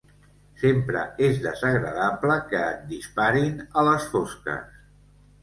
Sempre és desagradable que et disparin, a les fosques